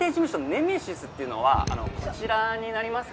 ネメシスっていうのはこちらになりますかね？